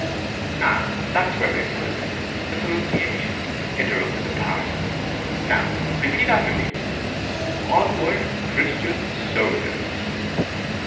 'Ah, that's where we are so defective the pronunciation,' interrupted the parson. 'Now repeat after me: "On ward, Christ ian, sol diers."'